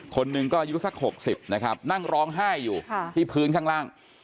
คนหนึ่งก็อายุสัก๖๐นะครับนั่งร้องไห้อยู่ที่พื้นข้างล่าง